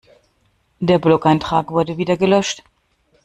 Der Blogeintrag wurde wieder gelöscht.